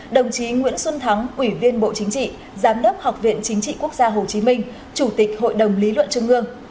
đồng chí nguyễn xuân thắng ủy viên bộ chính trị giám đốc học viện chính trị quốc gia hồ chí minh chủ tịch hội đồng lý luận trung ương